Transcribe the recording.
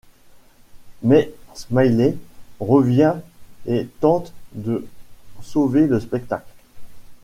Mais Smiley revient et tente de sauver le spectacle.